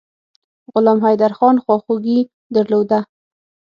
غلام حیدرخان خواخوږي درلوده.